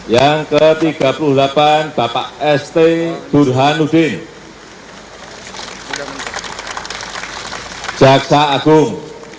yang ke tiga puluh delapan bapak st burhanuddin jaksa agung